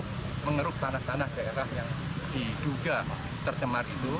untuk mengeruk tanah tanah daerah yang diduga tercemar itu